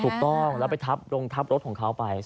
ถูกต้องแล้วไปทับลงทับรถของเขาไป